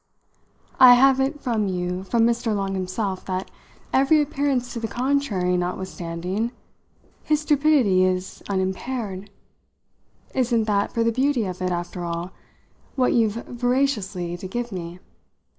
'I have it for you from Mr. Long himself that, every appearance to the contrary notwithstanding, his stupidity is unimpaired' isn't that, for the beauty of it, after all, what you've veraciously to give me?"